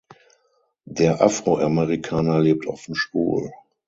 Der Afroamerikaner lebt offen schwul.